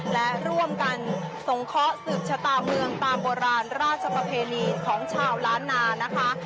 และร่วมกันสงเคราะห์สืบชะตาเมืองตามโบราณราชประเพณีของชาวล้านนานะคะ